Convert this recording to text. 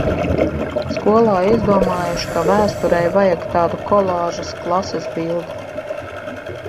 Skolā izdomājuši, ka vēsturei vajag tādu kolāžas klases bildi.